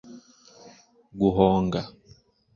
Guhonga